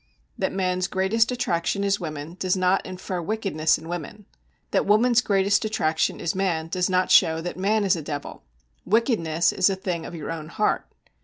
That man's greatest attraction is woman does not infer wickedness in woman; that woman's greatest attraction is man does not show that man is a devil. Wickedness is a thing of your own heart.